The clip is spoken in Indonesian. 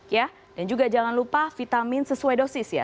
ya dan juga jangan lupa vitamin sesuai dosis ya